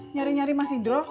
nyari nyari mas indro